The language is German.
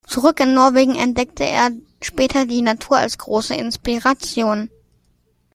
Zurück in Norwegen entdeckte er später die Natur als große Inspiration.